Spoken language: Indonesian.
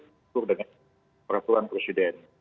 diatur dengan peraturan presiden